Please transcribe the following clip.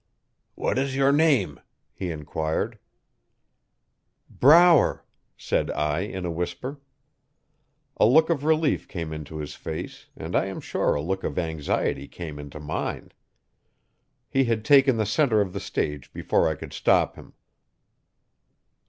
'What is your name?' he enquired. 'Brower,' said I in a whisper. A look of relief came into his face and I am sure a look of anxiety came into mine. He had taken the centre of the stage before I could stop him.